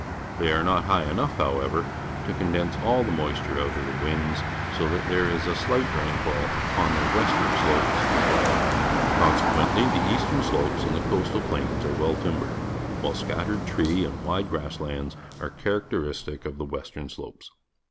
They are^not high enough, however, to condense aU the moisture out of the winds, so that there is a sUght rainfa ll __ux>oii. their western sl opes as weU . Consequently, the eastern slopes and the co:i t:il iilaiii are well tim ' bergd, while scatteiril tree and wide lirass lands are characteristic of the western slopes.